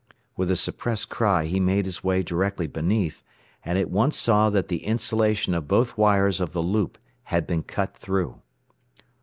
With a suppressed cry he made his way directly beneath, and at once saw that the insulation of both wires of the loop had been cut through.